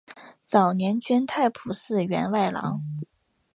早年捐太仆寺员外郎。